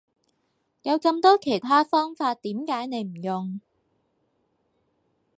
有咁多其他方法點解你唔用？